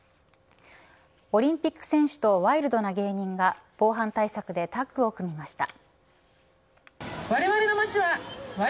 オリンピック選手とワイルドな芸人が防犯対策でタッグを組みました。